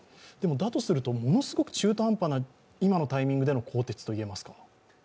だとするとものすごく中途半端な今のタイミングの更迭といえますか？